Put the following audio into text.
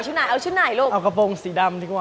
ไหนเอาชุดไหนลูกเอากระโปรงสีดำดีกว่า